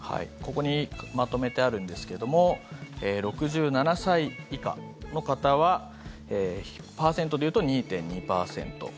ここにまとめてあるんですけども６７歳以下の方はパーセントで言うと２．２％。